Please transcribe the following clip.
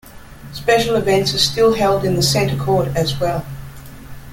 Special events are still held in the center court as well.